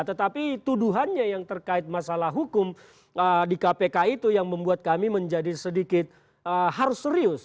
tetapi tuduhannya yang terkait masalah hukum di kpk itu yang membuat kami menjadi sedikit harus serius